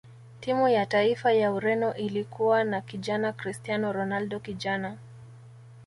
timu ya taifa ya ureno ilikuwa na kijana cristiano ronaldo kijana